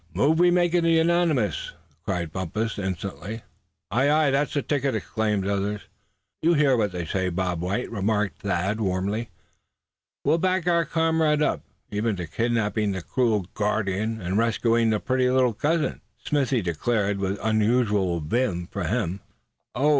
"Move we make it unanimous!" cried Bumpus, instantly. "Ay, ay! that's the ticket," exclaimed others. "You hear what they say, Bob White?" remarked Thad, warmly. "We'll back our comrade up, even to kidnapping the cruel guardian, and rescuing the pretty little cousin!" Smithy declared with unusual vim, for him. "Oh!"